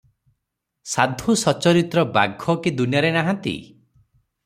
ସାଧୁସଚରିତ୍ର ବାଘ କି ଦୁନିଆରେ ନାହାନ୍ତି?